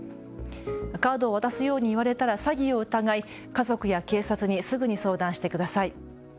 カードを渡すように言われたら詐欺を疑い、家族や警察にすぐに相談してください。